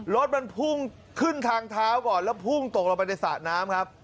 รถมันพุ่งขึ้นทางเท้าก่อนแล้วพุ่งตกลงไปในสระน้ำครับ